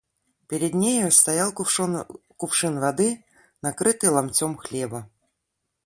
Перед нею стоял кувшин воды, накрытый ломтем хлеба.